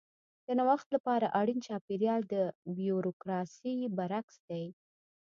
د نوښت لپاره اړین چاپېریال د بیوروکراسي برعکس دی.